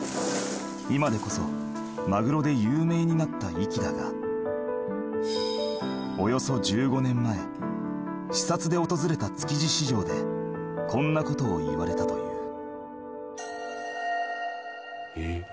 ［今でこそマグロで有名になった壱岐だがおよそ１５年前視察で訪れた築地市場でこんなことを言われたという］